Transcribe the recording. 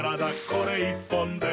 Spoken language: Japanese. これ１本で」